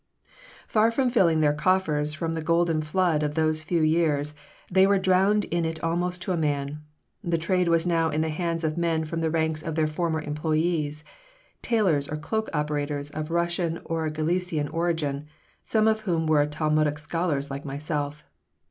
Far from filling their coffers from the golden flood of those few years, they were drowned in it almost to a man. The trade was now in the hands of men from the ranks of their former employees, tailors or cloak operators of Russian or Galician origin, some of whom were Talmudic scholars like myself.